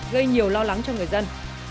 gây nhiều lo lắng cho người dân